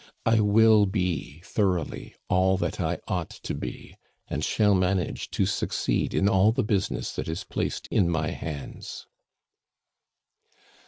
I will be thoroughly all that I ought to be, and shall manage to succeed in all the business that is placed in my hands."